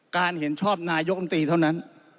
การเห็นชอบนายมตรีเท่านั้น